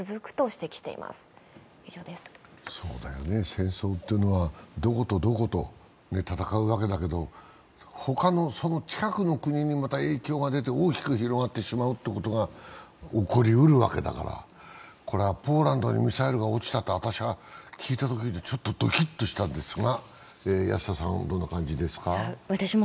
戦争っていうのはどことどこと戦うわけだけど、ほかの近くの国にまた影響が出て大きく広がってしまうっていうことが起こりうるわけだからポーランドにミサイルが落ちたと私は、聞いたときちょっとドキッとしたんですが安田さんどんな感じですか。